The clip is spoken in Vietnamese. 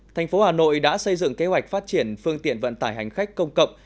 thành phố hà nội đã xây dựng kế hoạch phát triển phương tiện vận tải hành khách công cộng